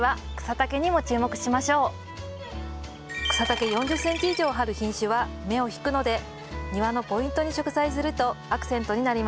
草丈４０ｃｍ以上ある品種は目を引くので庭のポイントに植栽するとアクセントになります。